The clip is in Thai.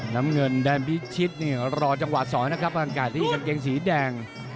น้ำเงินแดนพิชิตนี่รอจังหวะสอนนะครับอากาศที่กางเกงสีแดง